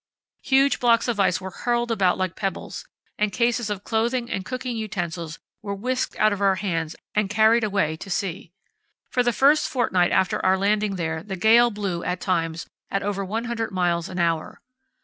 Huge blocks of ice were hurled about like pebbles, and cases of clothing and cooking utensils were whisked out of our hands and carried away to sea. For the first fortnight after our landing there, the gale blew, at times, at over one hundred miles an hour.